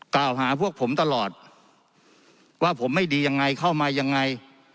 กล่าวหาพวกผมตลอดว่าผมไม่ดียังไงเข้ามายังไง